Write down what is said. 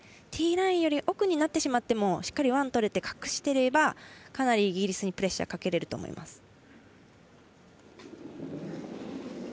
ティーラインより奥になってもしっかりワンとれて隠していればかなりイギリスにプレッシャーかけられると思います。